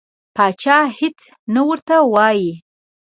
پاچا هیڅ نه ورته وایي.